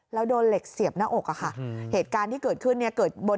แล้วโดนเหล็กเสียบหน้าอกอะค่ะเหตุการณ์ที่เกิดขึ้นเนี่ยเกิดบน